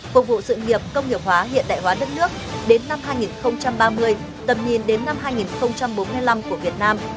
phục vụ sự nghiệp công nghiệp hóa hiện đại hóa đất nước đến năm hai nghìn ba mươi tầm nhìn đến năm hai nghìn bốn mươi năm của việt nam